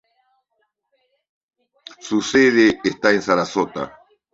Su sede está en Sarasota.